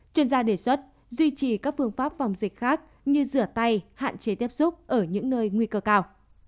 chuyên gia đề xuất duy trì các phương pháp phòng dịch khác như rửa tay hạn chế tiếp xúc ở những nơi nguy cơ cao